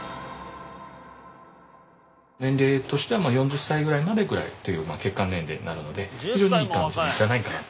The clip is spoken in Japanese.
年齢としては４０歳ぐらいまでぐらいという血管年齢なので非常にいい感じじゃないかなと。